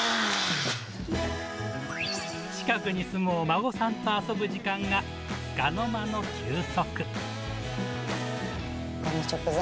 近くに住むお孫さんと遊ぶ時間が、つかの間の休息。